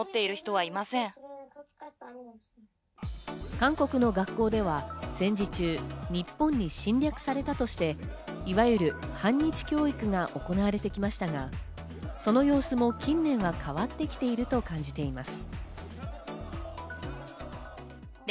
韓国の学校では戦時中、日本に侵略されたとして、いわゆる反日教育が行われてきましたが、その様子も近年は変わってきていると感じています。